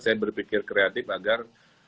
saya berpikir kreatif agar